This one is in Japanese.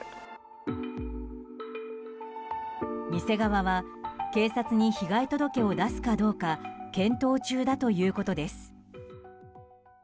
店側は警察に被害届を出すかどうか検討中だということです。